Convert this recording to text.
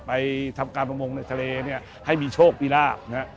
ไปทำกรรมงค์ในทะเลเนี้ยให้มีโชคภิราบนะฮะ